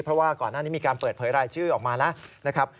เพราะว่าก่อนหน้านี้มีการเปิดเผยรายชื่อออกมาแล้วนะครับ